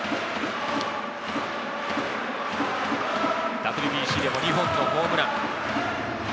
ＷＢＣでも２本のホームラン。